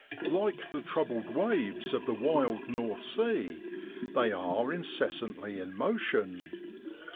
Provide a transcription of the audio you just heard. Like the troubled waves of the wild North Sea, they are incessantly in motion.